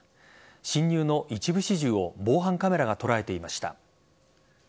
侵入の一部始終を防犯カメラが捉えていました。